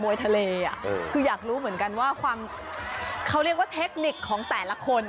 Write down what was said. ทะเลอ่ะคืออยากรู้เหมือนกันว่าความเขาเรียกว่าเทคนิคของแต่ละคน